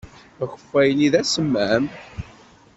Akeffay-nni d asemmam.